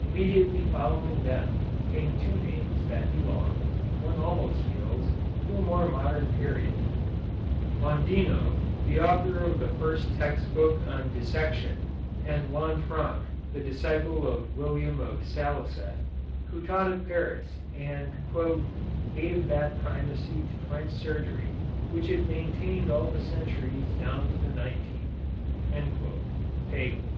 Immediately following them come two names that belong, one almost feels, to a more modern period: Mondino, the author of the first text book on dissection, and Lanfranc (the disciple of William of Salicet), who taught at Paris and "gave that primacy to French surgery which it maintained all the centuries down to the nineteenth" (Pagel).